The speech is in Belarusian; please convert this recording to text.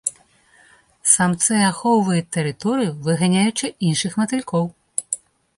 Самцы ахоўваюць тэрыторыю, выганяючы іншых матылькоў.